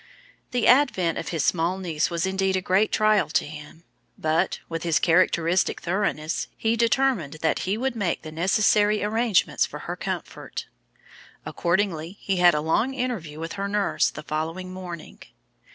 The advent of his small niece was indeed a great trial to him, but, with his characteristic thoroughness, he determined that he would make the necessary arrangements for her comfort. Accordingly he had a long interview with her nurse the following morning.